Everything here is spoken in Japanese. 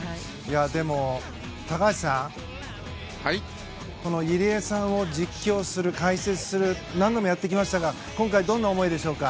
でも、高橋さんこの入江さんを実況する解説する何度もやってきましたが今回、どんな思いでしょうか。